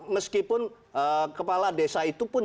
meskipun kepala desa itu pun